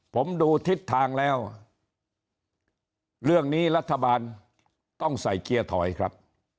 ผมดูทิศทางแล้วเรื่องนี้รัฐบาลต้องใส่เกียร์ถอยครับ